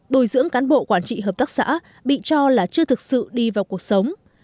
bồi dưỡng cán bộ quản trị hợp tác xã bị cho là chưa thực sự đi vào cuộc sống